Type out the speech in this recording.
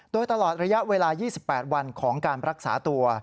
โดยตลอดระยะเวลา๒๘วันของการรักษาตัว